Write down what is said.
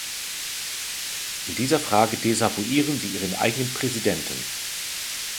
In dieser Frage desavouieren Sie Ihren eigenen Präsidenten.